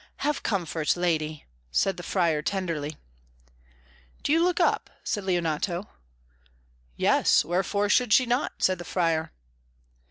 "Have comfort, lady," said the Friar tenderly. "Do you look up?" said Leonato. "Yes; wherefore should she not?" said the Friar.